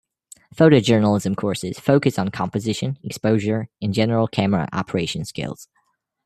Photojournalism courses focus on composition, exposure, and general camera operation skills.